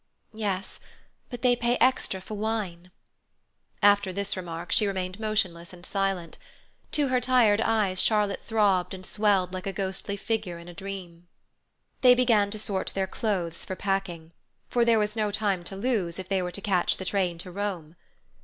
"Yes, but they pay extra for wine." After this remark she remained motionless and silent. To her tired eyes Charlotte throbbed and swelled like a ghostly figure in a dream. They began to sort their clothes for packing, for there was no time to lose, if they were to catch the train to Rome.